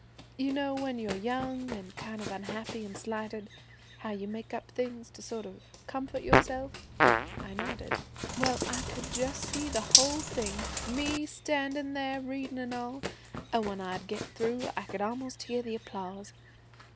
You know, when you're young and kind of unhappy and slighted, how you make up things to sort of comfort yourself?' I nodded. 'Well, I could just see the whole thing, me standing there reading an' all, and when I'd get through I could almost hear the applause.